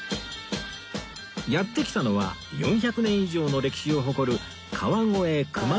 やって来たのは４００年以上の歴史を誇る